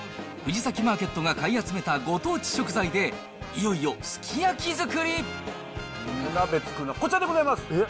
藤崎マーケットが買い集めたご当地食材で、いよいよすき焼き作り鍋作るのは、こちらでございます。